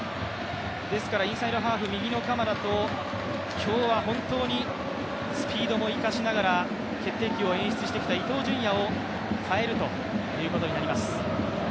インサイドハーフ右の鎌田と、今日はスピードも生かしながら決定機を演出してきた伊東純也を代えるということになります。